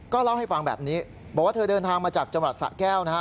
เล่าให้ฟังแบบนี้บอกว่าเธอเดินทางมาจากจังหวัดสะแก้วนะฮะ